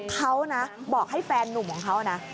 เขานะบอกให้แฟนนุ่มของเขานะ